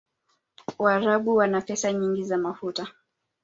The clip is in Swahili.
waarabu wana pesa nyingi za mafuta